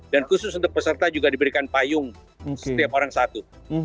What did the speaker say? dan khusus untuk peserta juga diberikan payung setiap orang satu